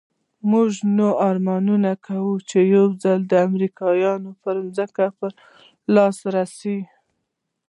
موږ نو ارمان کاوه چې يو ځل دې امريکايان پر ځمکه په لاس راسي.